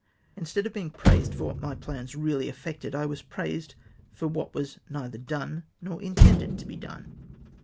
Instead of being praised for what my plans really effected, I was praised for what was neither done nor intended to be done.